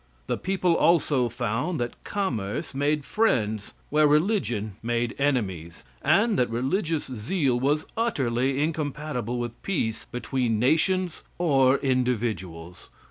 The people also found that commerce made friends where religion made enemies, and that religious zeal was utterly incompatible with peace between nations or individuals.